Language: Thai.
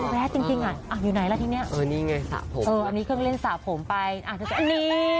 แว๊บจริงอ่ะอยู่ไหนล่ะที่นี่